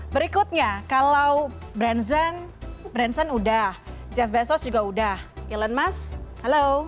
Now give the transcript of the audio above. berikutnya kalau branson branson udah jeff bezos juga udah elon musk halo